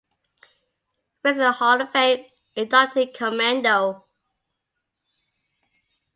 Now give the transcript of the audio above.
Racing Hall of Fame inductee Commando.